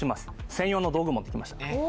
専用の道具持ってきました。